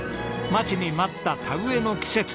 待ちに待った田植えの季節。